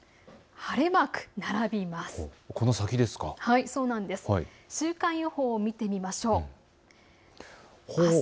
晴れマーク、並びます。